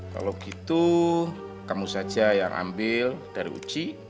kalau gitu kamu saja yang ambil dari uji